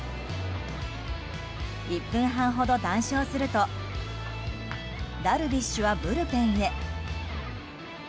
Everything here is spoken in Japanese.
１分半ほど談笑するとダルビッシュはブルペンへ。